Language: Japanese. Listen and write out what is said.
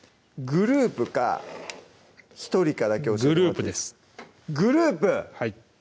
グループか１人かだけ教えてもらってグループですグループ！